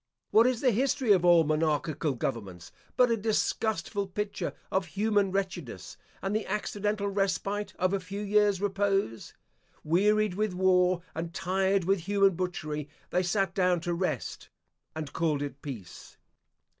What is the history of all monarchical governments but a disgustful picture of human wretchedness, and the accidental respite of a few years' repose? Wearied with war, and tired with human butchery, they sat down to rest, and called it peace.